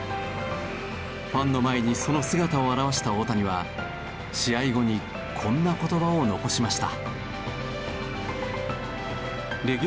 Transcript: ファンの前にその姿を現した大谷は試合後にこんな言葉を残しました。